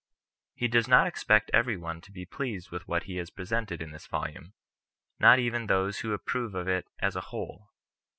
Jle does not expect every one to be pleased with what he has presented in this volume, not even those who ap prove of it as a whole.